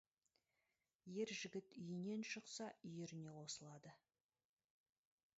Ер жігіт үйінен шықса, үйіріне қосылады.